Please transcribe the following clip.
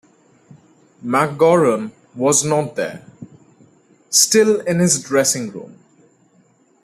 MacGowran was not there, still in his dressing room.